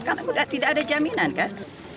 karena tidak ada jaminan kan